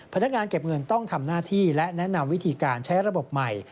พนักงานเก็บเงินต้องทำหน้าที่และแนะนำวิธีการใช้ระบบใหม่